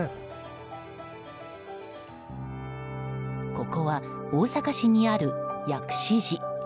ここは大阪市にある薬師寺。